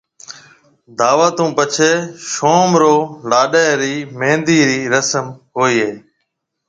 دعوت ھون پڇَي شوم رو لاڏَي ري مھندِي رِي رسم ھوئيَ ھيََََ